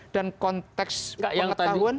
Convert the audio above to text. dan konteks pengetahuan